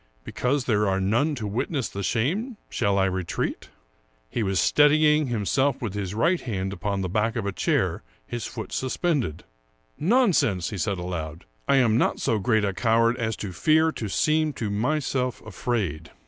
Because there are none to wit ness the shame shall I retreat ?" 107 American Mystery Stories He was steadying himself with his right hand upon the back of a chair, his foot suspended, " Nonsense !" he said aloud ;" I am not so great a cow ard as to fear to seem to myself afraid."